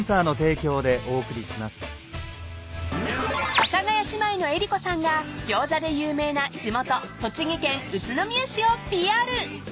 ［阿佐ヶ谷姉妹の江里子さんがギョーザで有名な地元栃木県宇都宮市をＰＲ］